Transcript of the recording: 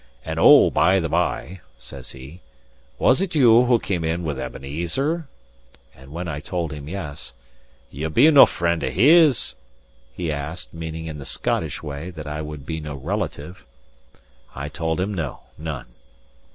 And, O, by the by," says he, "was it you that came in with Ebenezer?" And when I had told him yes, "Ye'll be no friend of his?" he asked, meaning, in the Scottish way, that I would be no relative. I told him no, none.